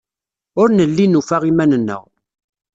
Ur nelli nufa iman-nneɣ.